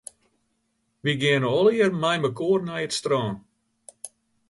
Wy geane allegear meimekoar nei it strân.